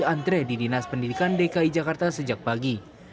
antre di dinas pendidikan dki jakarta sejak pagi